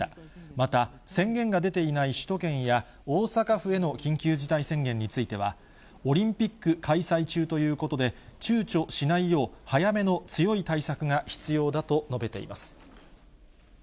また、宣言が出ていない首都圏や、大阪府への緊急事態宣言については、オリンピック開催中ということで、ちゅうちょしないよう、早めの強い対策が必要だと述べています。